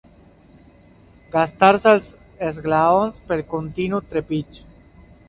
Gastar-se els esglaons pel continu trepig.